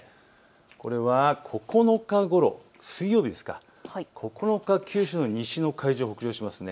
これは９日ごろ水曜日、九州の西の海上を北上します。